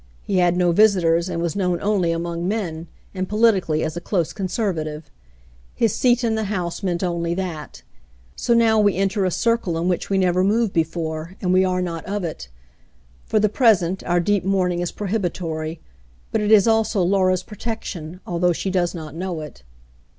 He had no visitors, and was known only among men, and politically as a close conservative. His seat in the House meant onlv that. So now we enter a circle in which we never moved before, and we are not rf it. For the present, our deep mourning is prohibitory, but it is also Laura's protection, although she does not know it."